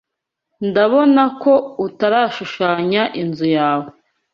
Ndabona ko utarashushanya inzu yawe.